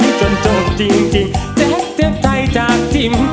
เลือดนี่คงอยู่ไหน